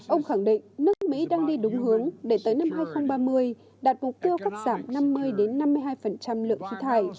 ông khẳng định nước mỹ đang đi đúng hướng để tới năm hai nghìn ba mươi đạt mục tiêu cắt giảm năm mươi năm mươi hai lượng khí thải